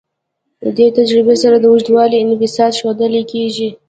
دې تجربې سره د اوږدوالي انبساط ښودل کیږي.